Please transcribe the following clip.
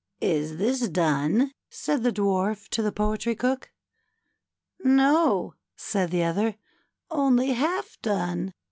^^Is this done?" said the Dwarf to the Poetry Cook. ^^No/' said the other^ ^^only half done.